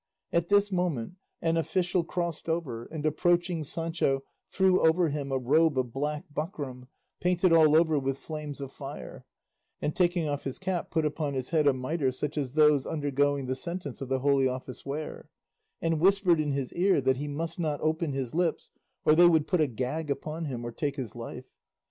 At this moment an official crossed over, and approaching Sancho threw over him a robe of black buckram painted all over with flames of fire, and taking off his cap put upon his head a mitre such as those undergoing the sentence of the Holy Office wear; and whispered in his ear that he must not open his lips, or they would put a gag upon him, or take his life.